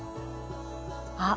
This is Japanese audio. あっ！